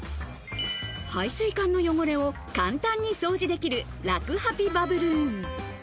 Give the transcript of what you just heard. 排水管の汚れを簡単に掃除できる、らくハピバブルーン。